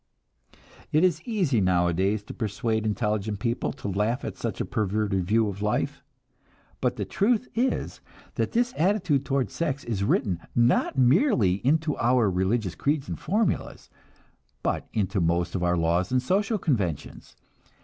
It is easy nowadays to persuade intelligent people to laugh at such a perverted view of life; but the truth is that this attitude toward sex is written, not merely into our religious creeds and formulas, but into most of our laws and social conventions.